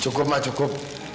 cukup ma cukup